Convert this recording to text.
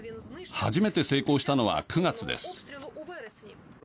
初めて成功したのは９月です。